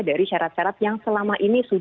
dari syarat syarat yang selalu diberlakukan